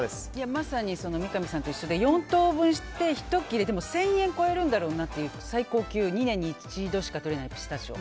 まさに、三上さんと一緒で４等分して１切れ１０００円超えるんだろうなっていう最高級、２年に一度しか取れないピスタチオ。